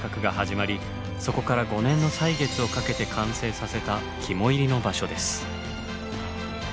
そこから５年の歳月をかけて完成させた肝煎りの場所です。